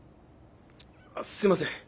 あすいません。